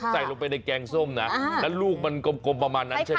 ใส่ลงไปในแกงส้มนะแล้วลูกมันกลมประมาณนั้นใช่ไหม